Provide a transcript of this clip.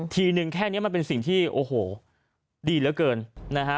ทีนึงแค่นี้มันเป็นสิ่งที่โอ้โหดีเหลือเกินนะฮะ